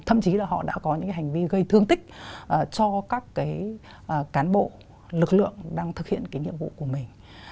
thậm chí là họ đã có những hành vi gây thương tích cho các cán bộ lực lượng đang thực hiện cái nhiệm vụ của mình